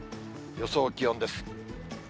予想気温です。